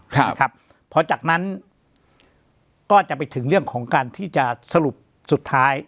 ครับนะครับพอจากนั้นก็จะไปถึงเรื่องของการที่จะสรุปสุดท้าย